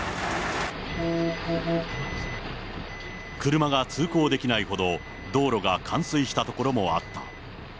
車が通行できないほど、道路が冠水した所もあった。